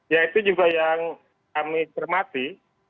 ya itu juga yang kami cermati